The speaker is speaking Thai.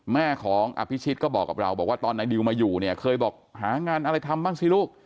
แม่ของอภิชิตก็บอกกับเราบอกว่าตอนนายดิวมาอยู่เนี่ยเคยบอกหางานอะไรทำบ้างสิลูก